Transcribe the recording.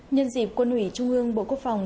nhân dịp quân ủy trung ương bộ quốc phòng